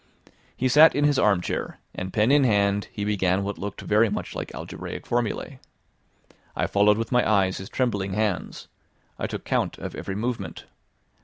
He sat in his armchair, and pen in hand he began what looked very much like algebraic formula: I followed with my eyes his trembling hands, I took count of every movement.